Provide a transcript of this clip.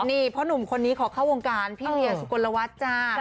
นี่พ่อหนุ่มคนนี้ขอเข้าวงการพี่เวียสุกลวัฒน์จ้า